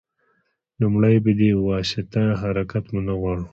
لومړی په دې واسطه حرکت مو نه غواړو.